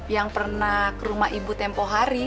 yang pernah ke rumah ibu tempoh hari